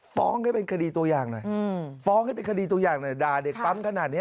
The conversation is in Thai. ฟ้องให้เป็นคดีตัวอย่างหน่อยฟ้องให้เป็นคดีตัวอย่างหน่อยด่าเด็กปั๊มขนาดนี้